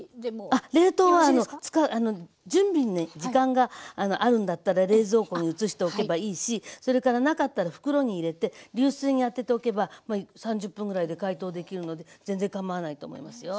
あっ冷凍は準備にね時間があるんだったら冷蔵庫に移しておけばいいしそれからなかったら袋に入れて流水に当てておけば３０分ぐらいで解凍できるので全然かまわないと思いますよ。